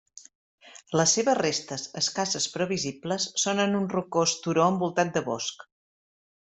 Les seves restes, escasses, però visibles, són en un rocós turó envoltat de bosc.